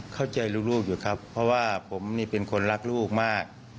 เข้าใจลูกอยู่ครับเพราะว่าผมนี่เป็นคนรักลูกมาก